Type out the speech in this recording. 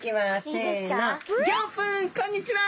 せのこんにちは！